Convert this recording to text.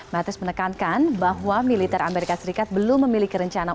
mattis menekankan bahwa militer amerika serikat belum memiliki rencana